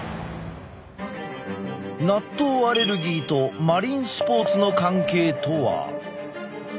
納豆アレルギーとマリンスポーツの関係とは？